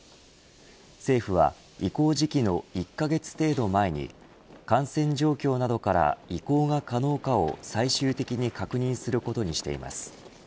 政府は移行時期の１カ月程度前に感染状況などから移行が可能かを最終的に確認することにしています。